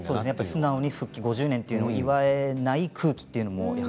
素直に復帰５０年と祝えない空気というか。